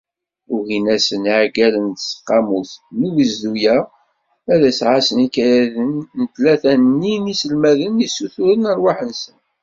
Ugin-asen yiɛeggalen n tseqqamut n ugezdu-a, ad ɛassen ikayaden tlata-nni n yiselmaden i ssuturen rrwaḥ-nsen.